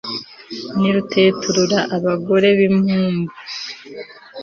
Ni ruteturura abagore bimpumbu